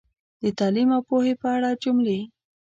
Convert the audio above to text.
د تعلیم او پوهې په اړه جملې